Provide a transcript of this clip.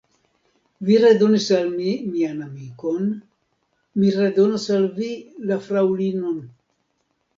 Vi redonis al mi mian amikon, mi redonas al vi la fraŭlinon.